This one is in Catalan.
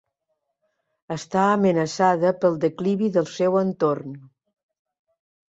Està amenaçada pel declivi del seu entorn.